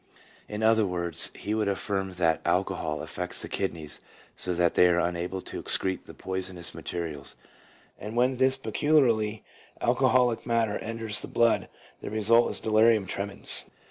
In other words he would affirm that alcohol affects the kidneys so that they are unable to excrete the poisonous materials, and when this peculiarly alco holic matter enters the blood the result is delirium tremens.